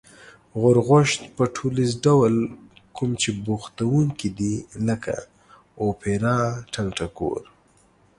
غورغوشت په ټولیز ډول کوم چې بوختوونکي دی لکه: اوپرا، ټنگټکور